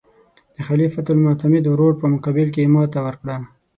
د خلیفه المعتمد ورور په مقابل کې یې ماته وکړه.